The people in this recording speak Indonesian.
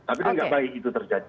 tapi itu tidak baik itu terjadi